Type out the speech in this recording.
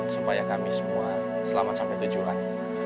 supaya kami semua selamat sampai tujuan